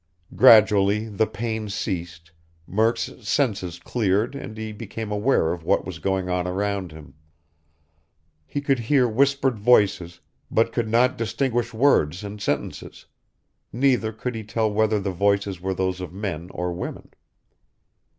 Gradually the pain ceased, Murk's senses cleared and he became aware of what was going on around him. He could hear whispered voices, but could not distinguish words and sentences; neither could he tell whether the voices were those of men or women.